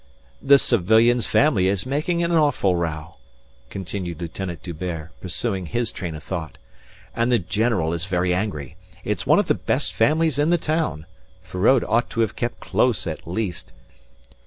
"The civilian's family is making an awful row," continued Lieutenant D'Hubert, pursuing his train of thought. "And the general is very angry. It's one of the best families in the town. Feraud ought to have kept close at least...."